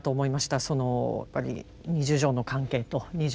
そのやっぱり二十条の関係と二十四条